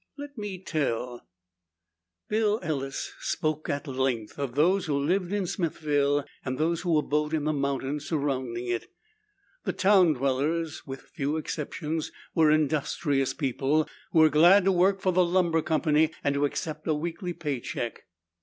Let me tell " Bill Ellis spoke at length of those who lived in Smithville and those who abode in the mountains surrounding it. The town dwellers, with few exceptions, were industrious people who were glad to work for the lumber company and to accept a weekly pay check.